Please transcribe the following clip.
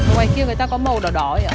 ngoài kia người ta có màu đỏ đỏ ấy ạ